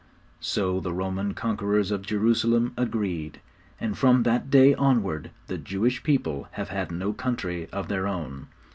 So the Roman conquerors of Jerusalem agreed; and from that day onward the Jewish people have had no country of their own.